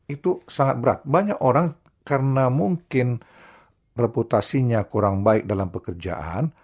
itu sangat berat banyak orang karena mungkin reputasinya kurang baik dalam pekerjaan